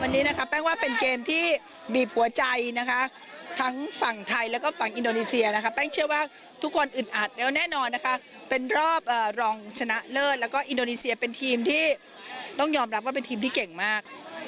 ด้วยทางฝั่งไทยและก็ฝั่งอินโดนีเซียและแปลงเชื่อว่าทุกคนอึดอัดแล้วแน่นอนนะคะเป็นรอบรองชนะเลิศแล้วก็อินโดนีเซียเป็นทีมที่ยอมรับว่าเป็นทีมที่เก่งมาก